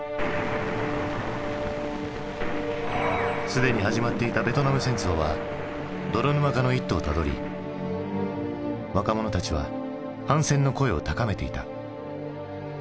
すでに始まっていたベトナム戦争は泥沼化の一途をたどり若者たちは反戦の声を高めていた。